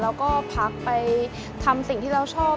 แล้วก็พักไปทำสิ่งที่เราชอบ